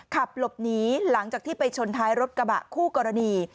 ขับหลบหนีหลังจากที่ไปชนท้ายรถกระบะคู่กรณี